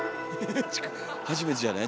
初めてじゃない？